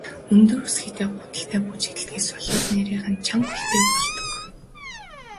Өндөр өсгийтэй гуталтай бүжиглэдгээс болоод нарийхан, чанга хөлтэй болгодог.